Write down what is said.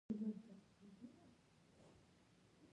رسوب د افغانستان د پوهنې په نصاب کې شامل دي.